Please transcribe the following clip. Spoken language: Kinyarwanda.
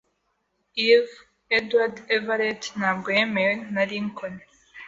[Eve] Edward Everett ntabwo yemeye na Lincoln.